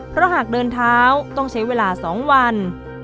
เพราะหากเดินเท้าต้องใช้เวลา๒วัน